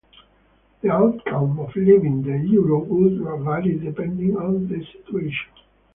The outcome of leaving the euro would vary depending on the situation.